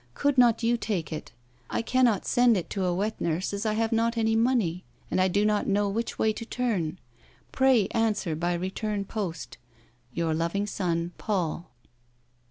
Could not you take it ? I cannot send it to a wet nurse as I have not any money, and I do not know which way to turn. Pray answer by return post. " Your loving son, " Paul."